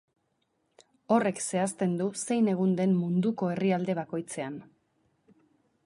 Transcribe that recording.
Horrek zehazten du zein egun den munduko herrialde bakoitzean.